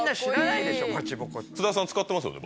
津田さん使ってますよね？